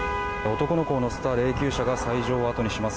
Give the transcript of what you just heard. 男の子を乗せた霊きゅう車が斎場を後にします。